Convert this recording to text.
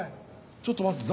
ちょっと待って。